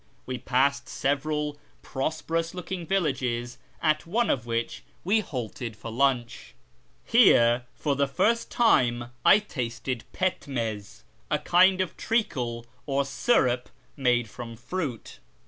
We passed several prosperous looking villages, at one of which we halted for lunch. Here for the first time I tasted pdmcz, a kind of treacle or syrup made from fruit.